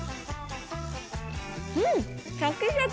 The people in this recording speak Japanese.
うん！